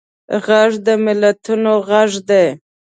غږ د ملتونو غږ دی